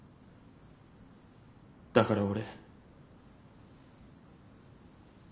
だから俺。